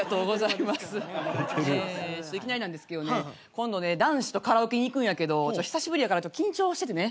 いきなりなんですけどね今度男子とカラオケに行くんやけど久しぶりやから緊張しててね。